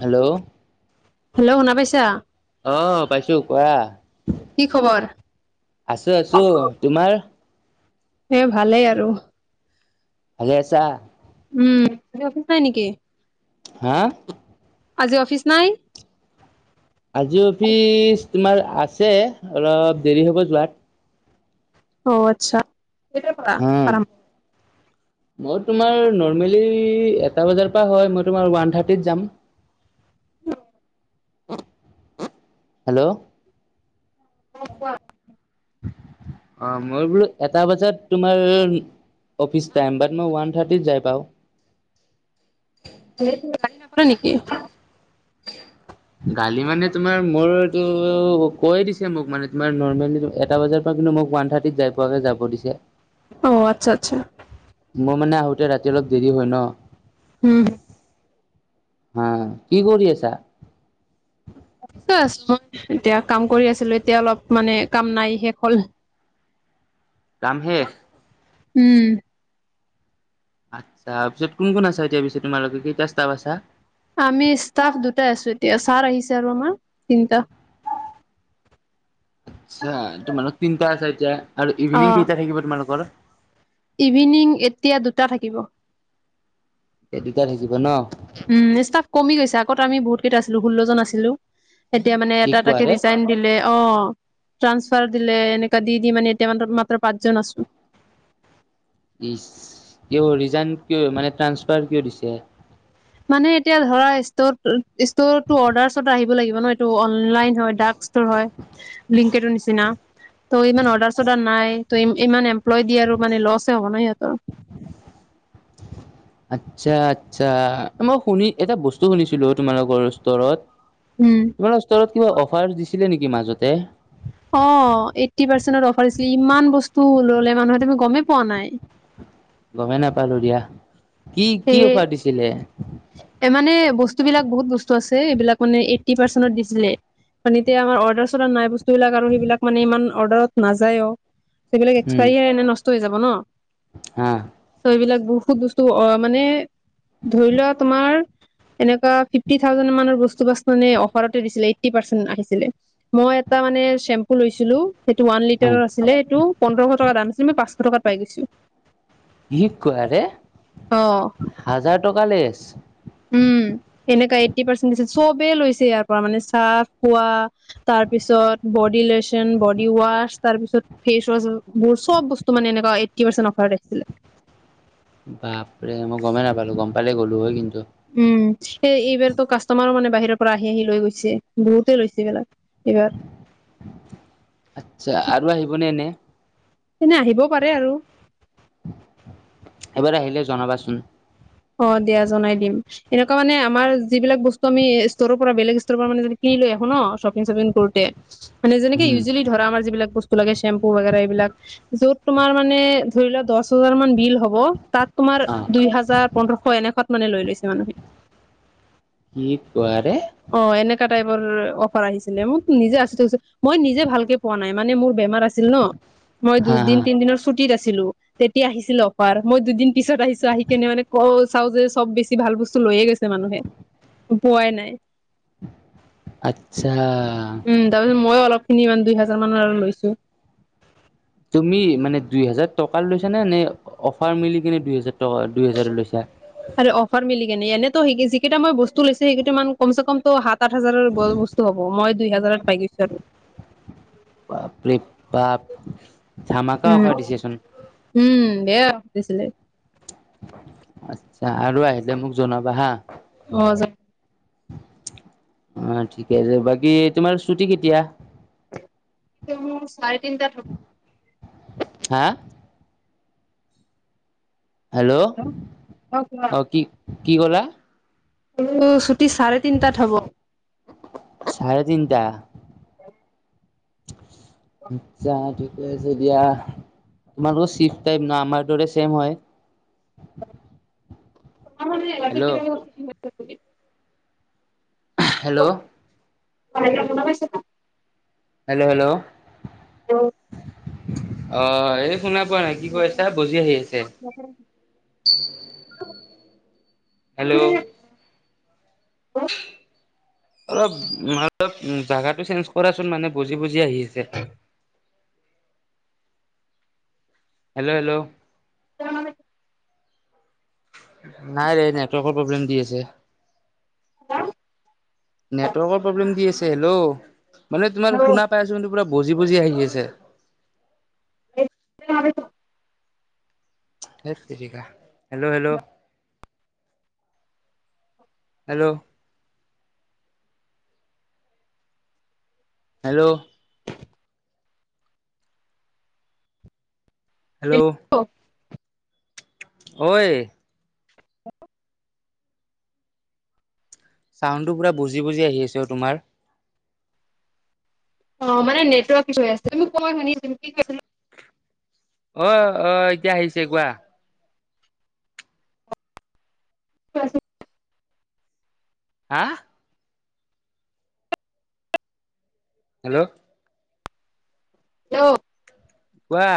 Hello hello শুনা পাইছা? অঁহ পাইছো, কোৱা। কি খবৰ? আছো আছো তোমাৰ? সে ভালেই আৰু। ভলে আছা। উম' আজি অফিচ নাই নেকি? হাঁ' আজি অফিচ নাই? আজি অফিচ তোমাৰ আছে, অলপ দেৰি হ'ব যোৱাত। অ' আৎচ্ছা! কেইটাৰ পৰা হা আৰম্ভ? মই তোমাৰ নৰ্মেলি এটা বজাৰ পৰা হয়, মই তোমাৰ ওৱান থাৰ্টিত যাম। [inaudible] হেল্লৌ' অঁ' কোৱা। অঁ মই বোলো এটা বজাত তোমাৰ- অফিচ টাইম, বাট ময় ৱান থ্টিত যাই পাওঁ। আৰে তোমাক গালি নাপাৰে নেকি? গালি মানে তোমাৰ মোৰ এইটো কৈয়ে দিছে মোক মানে তোমাৰ নৰ্মেলি এটা বজাৰ পৰা কিন্তু মোক ওৱান থাৰ্টি- টিত যাই পোৱাকে যাব দিছে। অও' আৎচ্ছা আৎচ্ছা। মই মানে আহোঁতে ৰাতি অলপ দেৰি হয় ন। উমহু' হাঁ, কি কৰি আছা? অফিচত আছো, এতিয়া কাম কৰি আছিলো এতিয়া অলপ মানে কাম নাই শেষ হ'ল। কাম শেষ? উম। আৎচ্ছা অফিছত কোন কোন আছা এতিয়া পিছে তোমালোকে কেইটা ষ্টাফ আছা? আমি ষ্টাফ দুটাই আছো এতিয়া, ছাৰ আহিছে আৰু আমাৰ তিনটা। আৎছা তোমালোক তিনিটা আছা এতিয়া, আৰু ইভিনিং অ'। কেইটা থাকিব তোমালোকৰ? ইভিনিং এতিয়া দুটা থাকিব। এই দুটাই থাকিব ন। উম' ষ্টাফ কমি গৈছে আগত আমি বহুত কেইটা আছিলো ষোল্লজন আছিলো, এতিয়া মানে কি এটা কোৱা এটাকে ৰে ৰিজাইন- দিলে অঁ' ট্ৰান্সফাৰ দিলে এনেকা দি দি মানে এতিয়া মান মাত্ৰ পাঁচজন আছো। ইছ! কিয় ৰিজাইন কিয় মানে ট্ৰানছপাৰ কিয় দিছে? মানে এতিয়া ধৰা ষ্ট ষ্টৰটো অৰ্ডাৰ চদা আহিব লাগিব ন, এইটো অনলাইন হয় ড্ৰাকছ- হয়, ব্লিংকেতৰ নিচিনা। ত' ইমান অৰ্ডাৰ চৰ্ডাৰ নাই ত ইমান এমপ্লয় দি আৰু মানে লছে হ'ব ন সিঁহতৰ। আৎচ্ছা আৎচ্ছা! মই শুনি এটা বস্তু শুনিছিলো ও তোমালোকৰ ষ্টৰত। উম' তোমালোকৰ ষ্টৰত কিবা অফাৰ দিছিলে নেকি মাজতে? অ এইট্টি পাৰ্চেন্টত অফাৰ দিছিলে ইমান বস্তু ললে মানুহে তুমি গমেই পোৱা নাই গমেই নাপালো দিয়া কি কি সেয়ে অফাৰ দিছিলে এ মানে বস্তু বিলাক বহুত বস্তু আছে এইবিলাক মানে এইট্টি পাৰ্চেন্টত দিছিলে মানে এতিয়া আমাৰ অৰ্ডাৰ চডাৰ নাই বস্তুবিলাক আৰু সেইবিলাক মানে ইমান অৰ্ডাৰত নাযায় অ সেইবিলাক উম এক্সপায়াৰী এনে নষ্ট হৈ যাব ন। হা চ' এইবিলাক বহুত বস্তু অ মানে ধৰি লোৱা তোমাৰ এনেকুৱা ফিফটি থাউজেণ্ড মানৰ বস্তু বাছ অফাৰতে দিছিলে এইটটি পাৰ্চন্ট আহিছিলে মই এটা মানে চেম্পু লৈছিলো সেইটো ওৱান হা লিটাৰৰ আছিলে সেইটো পোন্ধৰশ টকা দাম আছিল মই পাঁচশ টকাত পাই গৈছিলো কি কোৱাৰে অ। হাজাৰ টকা লেচ উম এনেকুৱা এইটি পাৰ্চেণ্ট দিচে চবেই লৈছে ইয়াৰ পৰা মানে চাৰ্ফ পোৱা তাৰ পিছত বডি লোচন বডি ৱাছ তাৰপিছত ফেচ ৱাছবোৰ চব বস্তু মানে এনেকুৱা এইটি পাৰ্চেণ্ট অফাৰ দিছিলে বাপ ৰে মই গমেই নাপালো গম পালে গ'লো হয় কিন্তু উম সেই এইবাৰতো কাষ্টমাৰো মানে বাহিৰৰ পৰা আহি আহি লৈ গৈছে বহুতেই লৈছে এইবিলাক ইয়াত আচ্ছা আৰু আহিবনে এনে এনে আহিব পাৰে আৰু এবাৰ আহিলে জনাবাচোন হব দিয়া জনাই দিম এনেকুৱা মানে আমাৰ যিবিলাক বস্ত আমি ষ্টৰৰ পৰা বেলেগ ষ্টৰ পৰা মানে কিনি লৈ আহো ন শ্বপিং শ্বপিং কৰোতে মানে যেনেক উম ইউজেলি ধৰা আমাৰ যিবিলাক বস্তু ফোলাগেচীআম চেম্পু বাগেৰা এইবিলাক য'ত তোমাৰ মানে ধৰি লোৱা দহ হাজাৰ মান বিল হ'ব তাত তোমাৰ অ দুই হাজাৰ পোন্ধৰশ এনেকাত মানে লৈ লৈছে মানুহে কি কোৱাৰে অ এনেকা টাইপৰ অফাৰ আহিছিলে মোক নিজে আছৰিত হৈছু মই নিজে ভালকে পোৱা নাই মানে মোৰ বেমাৰ আছিল ন মই হা দুইদিন হা তিনদিনৰ ছু ছুটিত আছিলো তেতিয়া আহিছিলে অফাৰ মই দুদিন পিছত আহিছো আহি কেনে মানে ক চাও যে চব বেছি ভাল বস্তু লৈয়ে গৈছে মানুহে পোৱাই নাই আচ্ছা উম তাৰ পিছত মইও অলপ খিনি ইমান দুই হাজাৰ মানৰ আৰু লৈছো তুমি মানে দুই হেজাৰ টকা লৈছানে নে অফাৰ মিলি কিনে দুই হেজাৰ টকা দুই হেজাৰ লৈছা সেৰি অফাৰ মিলি কেনে এনে ত সি যিকেইটা মই বস্তু লৈছো মানে কমচেকমত সাত সাত হাজাৰৰ বয়বস্তু হ'ব মই দুই হাজাৰত পাই গৈছো আৰু বাপৰে বাপ ধামাকা উম অফাৰ দিছোচোন উম ধেই অফাৰ দিছিলে আচ্ছা আৰু আহিলে মোক জনাবা হা অ জ অ ঠিকে আছে বাকি তোমাৰ ছুটি কেতিয়া এতিয়া মোৰ চাৰে তিনিটা হব হা হেল্ল' অ কোৱা অঁ কি কি ক'লা মোৰ ছুটি চাৰে তিনটাত হ'ব। চাৰে তিনিটা কম অটচা ঠিকে আছে দিয়া। তোমালোকৰ চিফ টাইপ ন আমাৰ দৰে ছেম হয় আৰু মানে হেল্ল' ৰাতি হেল্ল' অঁ এতিয়া শুনা পাইছানে হেল্ল' হেল্ল' অ অ এই শুনা পোৱা নাই কি কৈ আছে বজি আহি আছে হেল্ল' অলপ অলপ জাগাটো চেঞ্জ কৰাচোন মানে বজি বজি আহিছে উ হেল্' হেলল' তেওঁ মান নাই ৰে নেটৱৰ্কৰ প্ৰব্লেম দি আছে নেটৱৰ্কৰ প্ৰব্লেম দি আছে হেল্ল' মানে তোমাৰ শুনা পাই আছো কিন্তু পুৰা বজি বজি আহি আছে [inaudible] এত তেৰিকা hello hello hello hello hello অ অঐ চাউণ্ডটো পুৰা বজি বজি আহি আছে অঁ তোমাৰ অ মানে নেটৱৰ্ক কি হৈ আছে তুমি কোৱা শুনি তু কি কৈছিলো অ অ এতিয়া আহিছে কোৱা কোৱাচোন হা হেল্ল' হেল্লো কোৱা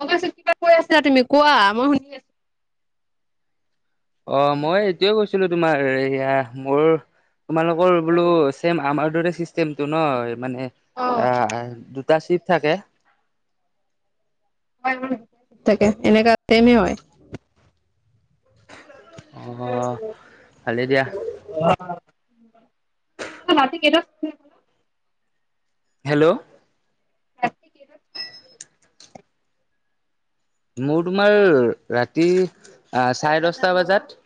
মই কৈছোঁ কিবা কৈ আছিলা তুমি কোৱা মই শুনি আছো অ মই এইটোৱে কৈছিলো তোমাৰ এয়া মোৰ তোমালোকৰ বোলো চেম আমাৰ দৰে চিষ্টেমটো নহয় মানে অ দুটা ছিফ থাকে তাকে এনেকা ছেমে হয় অ ভালেই দিয়া ৰাতি কেইটাত হেল্ল' ৰাতি কেইটাত মোৰ তোমাৰ ৰাতি চাৰে দহটা বজাত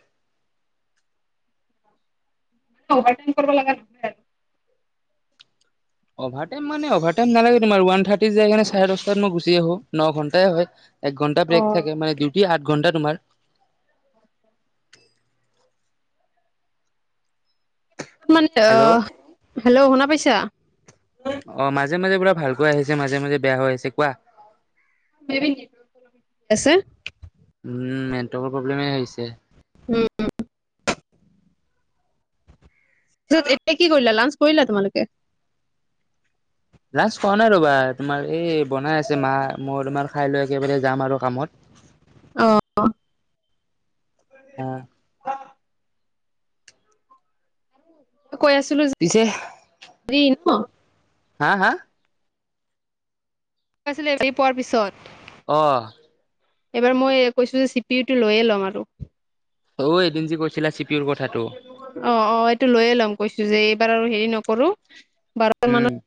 অভাৰ টাইম কৰিব লাগা হৈছে আৰু অভাৰ টাইম মানে অভাৰ টাইম নালাগে তোমাৰ ওৱান থাৰ্টি যায় কেনে চাৰে দহটাত মই গুচি আহো ন ঘণ্টাই হয় এক ঘণ্টা অ ব্ৰেক থাকে মান ডিউটি আঠ ঘণ্টা তোমাৰ মানে অ হেল্ল' হেল্ল' শুনা পাইছা অ মাজে মাজে পুৰা ভালকৈ আহিছে মাজে মাজে বেয়া হৈ আহিছে কোৱা আছে উম নেটৱৰ্কৰ প্ৰব্লেম হৈছে উম পিছত এতিয়া কি কৰিলা লাঞ্চ কৰিলা তোমালোকে লাঞ্চ কৰাৱা নাই ৰ'বা তোমাৰ এই বনাই আছে মা মই তোমাৰ খাই লৈ একেবাৰে যাম আৰু কামত। অ। হয়। কৈ আছিলো যে। পিছে। [unintelligible] হা হা। কৈছিলি ৰি পোৱাৰ পিছত। অ। এবাৰ মই কৈছো যে চি পি ইউটো লৈয়ে ল'ম আৰু। অ' এদিন যে কৈছিলা চি পিউৰ কথাটো। অ অ এইটো লৈয়ে ল'ম কৈছো যে এইবাৰ আৰু হেৰি নকৰো বাৰ উম মানত।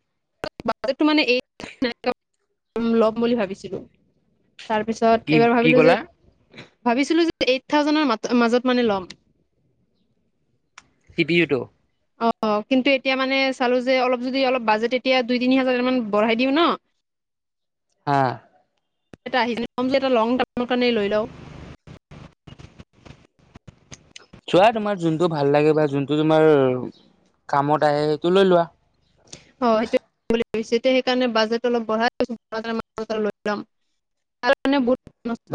[unintelligible] মানে ল'ম বুলি ভাবিছিলো তাৰপিছত। কি ত এইবাৰ কি ভাবিলো যে ক'লা ভাবিছিলো যে এইট থাউজেডৰ মাজত মানে ল'ম। C P ইউটো। অ কিন্তু এতিয়া মানে চালো যে অলপ যদি অলপ বাজেট এতিয়া দুই তিনি হাজাৰ মান বঢ়াই দিওঁ ন। হা। এটা আহি কম যে এটা লং তাপৰ কাৰণে লৈ লওঁ। চোৱা তোমাৰ যোনটো ভাল লাগে বা যোনটো তোমাৰ কামত আহে সেইটো লৈ লোৱা। হয় সেইটো সেইকাৰণে বাজেট অলপ বঢ়াই [unintelligible] লৈ লম।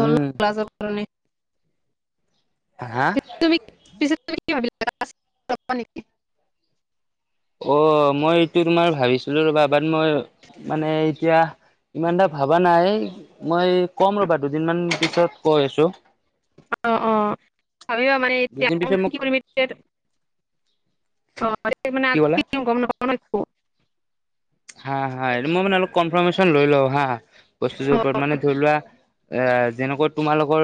উম হা। তুমি পিছ তুমি কি ভাবিল [unintelligible] নেকি। অ মই এইটো তোমাৰ ভাবিছিলো ৰবা বাদ মই। মানে এতিয়া ইমান এটা ভবা নাই মই। কম ৰ'বা দুদিনমান পিছত কৈ আছো অ অ ভাবিবা মানে এতিয়া দুদিন পিছত মোক কি কৰিবি। কি ক'লা [unintelligible] হা হা মই মানে অলপ কনফাৰ্মেশচন লৈ লওঁ হা বস্তুটোৰ ওপৰত মানে ধৰি লোৱা। এ যেনেকৈ তোমালোকৰ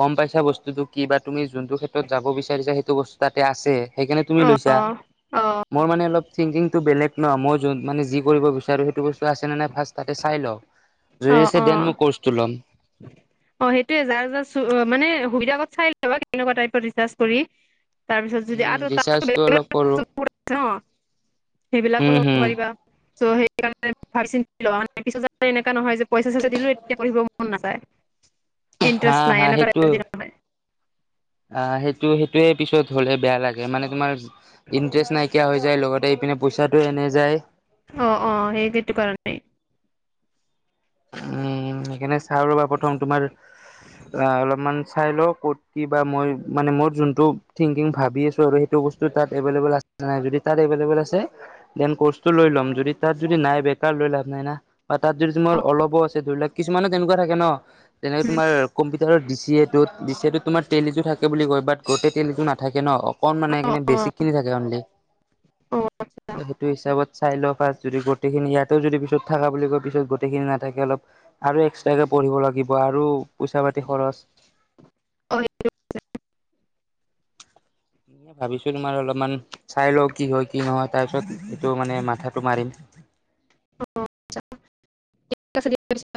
গম পাইছা বস্তুটো কি বা তুমি যোনটো ক্ষেত্ৰত যাব বিচাৰিছা সেইটো বস্তু। তাতে আছে সেইকাৰণে তুমি লৈছা মোৰ মানে অলপ থিংকিংটো বেলেগ ন মই যোন। মানে যি কৰিব বিচাৰোঁ সেইটো বস্তু আছেনে নাই ফাৰ্ষ্ট তাতে চাই লওঁ। অ যদি আছে অ। দেন মই ক'ৰ্চটো ল'ম। অ সেইটোয়ে যাৰ যাৰ মানে সুবিধাগত চাই লবা কেনেকুৱা টাইপৰ ৰিচাৰ্চ কৰি। তাৰপিছত যদি উম আৰু তাত ৰিচাৰ্জটো অলপ কৰো ব ন উম সেইবিলাকো হম ল'ব পাৰিবা। ত সেইকাৰণে ভাবি চিন্তি লোৱা মানে অ পিছত যাতে এনে। নহয় যে পইচা চইচা দিলো এতিয়া পঢ়িব মন নাযায় হা ইন্টাৰেষ্ট নাই। নহয় অ সেইটো সেইটোয়ে পিছত হলে বেয়া লাগে মানে তোমাৰ ইণ্টাৰেষ্ট নাইকিয়া হৈ যায় লগতে ইপিনে। পইচাটো এনে যায়। অ অ সেই সেইটো কাৰণে। উম সেইকাৰণে চাও ৰ'বা প্ৰথম তোমাৰ অ অলপমান। চাই লওঁ ক'ত কি বা মই মানে মোৰ যোনটো থিংকিং ভাবি আছো আৰু সেইটো বস্তু তাত এভেইলেবল আছে। নাই যদি তাত এভেইলেবল আছে। দেন কৌষ্টটো লয় লম যদি তাত যদি নাই। বেকাৰ লৈ লাভ নাই ন তাত যদি তোমাৰ। অলপো আছে ধৰি লাকক কিছুমানো তেনেকুৱা থাকে ন? তেনেকে তোমাৰ কম্পিউটাৰৰ ডি চি এটোত ডি চি এটোত তোমাৰ টেলিটো থাকে বুলি কয়, বাট গোটেই টেলিটো নাথাকে ন কম মানে এইকিনে বেছিকখিনি থাকে অনলি। সেইটো হিচাপত চাই লওঁ ফাৰ্ষ্ট যদি গোটেইখিনি ইয়াতেও যদি পিছত থাকা বুলি কয় পিছত গৈ গোটেইখিনি নাথাকে অলপ আৰু এক্সট্ৰাকে পঢ়িব লাগিব আৰু পইচা - পাতি খৰচ অ সেইটো হয়। এ ভাবিছোঁ তোমাৰ অলপমান চাই লও কি হয় কি নহয় তাৰ পিছত এইটো মানে মাথাটো মাৰিম। [unintelligible]